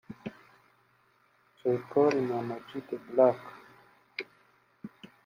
Jay Polly na Ama G The Black